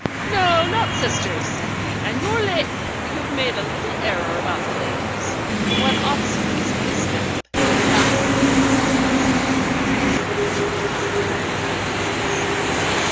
"No, not sisters," said he, "and your la you've made a little error about the names. The one opposite is Miss Mapp, the other Mrs. Plaistow." The Contessa moderated her voice.